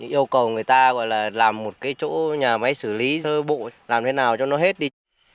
yêu cầu người ta gọi là làm một cái chỗ nhà máy xử lý thơ bụi làm thế nào cho nó hết đi